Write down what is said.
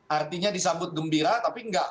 artinya disambut gembira tapi enggak